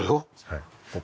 はい。